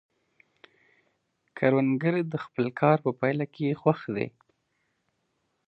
کروندګر د خپل کار په پایله کې خوښ دی